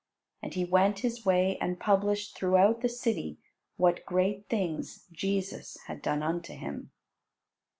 And he went his way and published throughout the city what great things Jesus had done unto him.